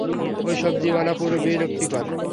ওই সবজিওয়ালা পুরো বিরক্তিকর।